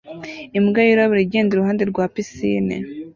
Imbwa yirabura igenda iruhande rwa pisine